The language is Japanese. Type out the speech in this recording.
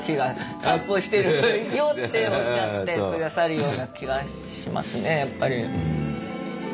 散歩してる「よっ！」っておっしゃって下さるような気がしますねやっぱり。